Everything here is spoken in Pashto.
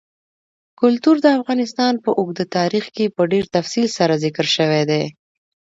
کلتور د افغانستان په اوږده تاریخ کې په ډېر تفصیل سره ذکر شوی دی.